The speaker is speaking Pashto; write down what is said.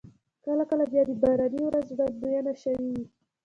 کله کله بیا د باراني ورځ وړاندوينه شوې وي.